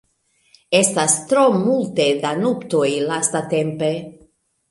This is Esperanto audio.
Estas tro multe da nuptoj lastatempe.